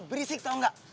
berisik tau gak